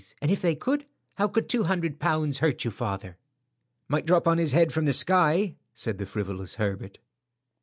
And if they could, how could two hundred pounds hurt you, father?" "Might drop on his head from the sky," said the frivolous Herbert.